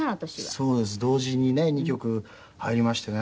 そうです同時にね２曲入りましてね。